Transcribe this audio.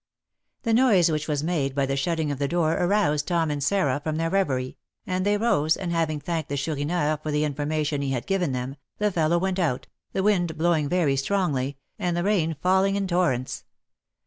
The noise which was made by the shutting of the door aroused Tom and Sarah from their reverie, and they rose, and, having thanked the Chourineur for the information he had given them, the fellow went out, the wind blowing very strongly, and the rain falling in torrents.